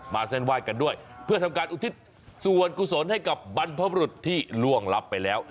เส้นไหว้กันด้วยเพื่อทำการอุทิศส่วนกุศลให้กับบรรพบรุษที่ล่วงลับไปแล้ว